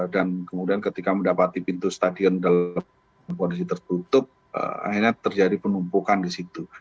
kemudian ketika mendapati pintu stadion dalam kondisi tertutup akhirnya terjadi penumpukan di situ